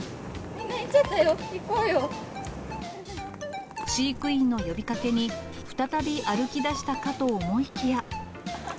みんな行っちゃったよ、飼育員の呼びかけに、再び歩き出したかと思いきや。